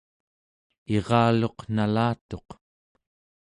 iraluq nalatuq